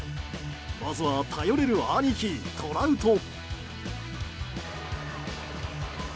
まずは頼れる兄貴、トラウト。